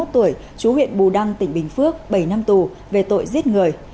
hai mươi một tuổi chú huyện bù đăng tỉnh bình phước bảy năm tù về tội giết người